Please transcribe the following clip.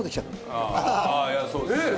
そうですよね。